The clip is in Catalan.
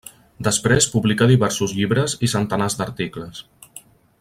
Després publicà diversos llibres i centenars d'articles.